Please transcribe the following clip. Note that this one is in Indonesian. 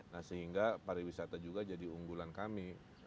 nah sehingga pariwisata juga jadi unggulan kami